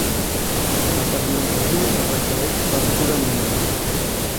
A Tamil Nadu es requereix l'altura mínima.